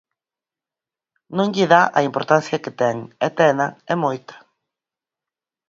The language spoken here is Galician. Non lle dá a importancia que ten, e tena e moita.